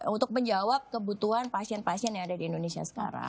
untuk menjawab kebutuhan pasien pasien yang ada di indonesia sekarang